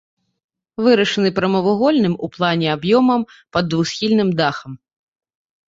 Вырашаны прамавугольным у плане аб'ёмам пад двухсхільным дахам.